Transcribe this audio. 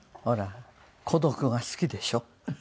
ほら孤独が好きでしょ？